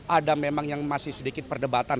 ada memang yang masih sedikit perdebatan